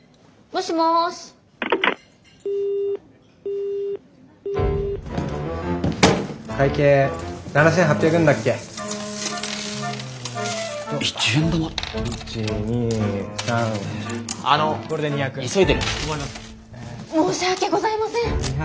申し訳ございません。